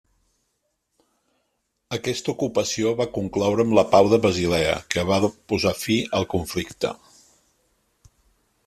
Aquesta ocupació va concloure amb la Pau de Basilea que va posar fi al conflicte.